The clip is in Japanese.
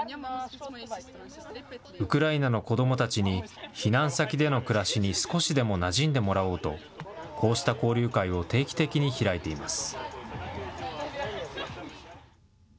ウクライナの子どもたちに避難先での暮らしに少しでもなじんでもらおうと、こうした交流会を定期的に開いています。